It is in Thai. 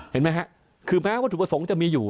เห็นไหมฮะคือแม้วัตถุประสงค์จะมีอยู่